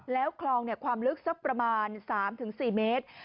แล้วคลองความลึกสักประมาณ๓๔เมตร